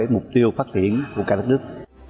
mục tiêu phát triển của cả đất nước